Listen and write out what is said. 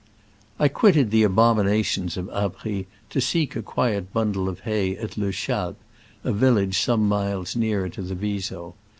I quitted the abominations of Abries to seek a quiet bundle of hay at Le Chalp, a village some miles nearer to the Viso.